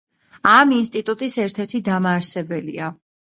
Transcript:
ამ ინსტიტუტის ერთ-ერთი დამაარსებელია.